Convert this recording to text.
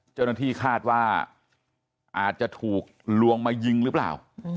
เจ้าหน้าที่คาดว่าอาจจะถูกลวงมายิงหรือเปล่า